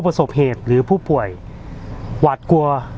พี่ชอบจริงบอกว่าชอบทุก